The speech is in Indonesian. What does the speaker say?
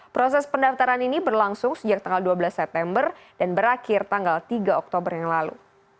proses pendaftaran ini berlangsung sejak tanggal dua belas september dan berakhir tanggal tiga oktober yang lalu